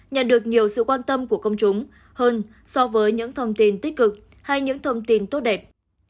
nhận được nhiều sự quan tâm của công chúng hơn so với những thông tin tích cực hay những thông tin tốt đẹp